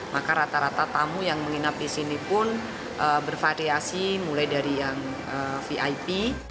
maka rata rata tamu yang menginap di sini pun bervariasi mulai dari yang vip